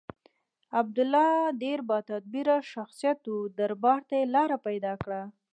عبدالله ډېر با تدبیره شخصیت و دربار ته یې لاره پیدا کړه.